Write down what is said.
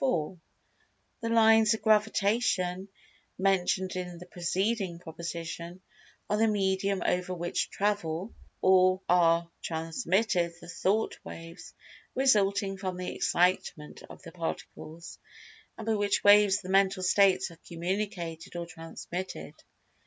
—The Lines of Gravitation, mentioned in the preceding proposition, are the medium over which travel, or are transmitted the "Thought waves" resulting from the Excitement of the Particles, and by which waves the "Mental States" are communicated[Pg 199] or transmitted.